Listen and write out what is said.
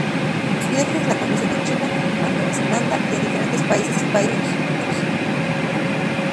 Sus viajes la conducen a China, a Nueva Zelanda y a diferentes países europeos.